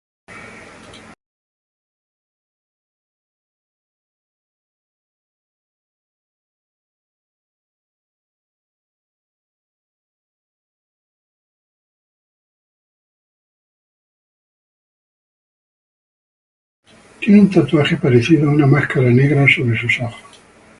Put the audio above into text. Tiene un tatuaje parecido a una máscara negra sobre sus ojos.